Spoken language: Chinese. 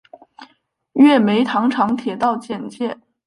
月眉糖厂铁道简介